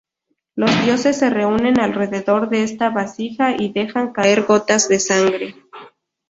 Los dioses se reúnen alrededor de esta vasija y dejan caer gotas de sangre.